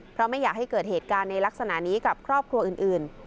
เพราะไม่อยากให้เกิดเหตุการณ์ในลักษณะนี้กับครอบครัวอื่น